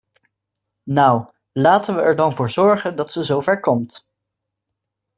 Nou, laten we er dan voor zorgen dat ze zo ver komt!